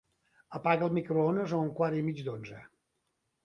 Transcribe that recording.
Apaga el microones a un quart i mig d'onze.